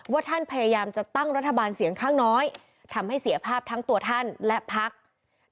ว่าท่านพยายามจะตั้งรัฐบาลเสียงข้างน้อยทำให้เสียภาพทั้งตัวท่านและพัก